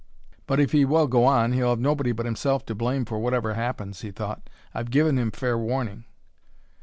"But if he will go on, he'll have nobody but himself to blame for whatever happens," he thought. "I've given him fair warning."